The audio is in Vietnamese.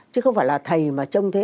chứ không phải là thầy mà trông thế